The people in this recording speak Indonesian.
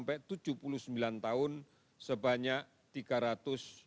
pipa tiga puluh sebetulnya did critis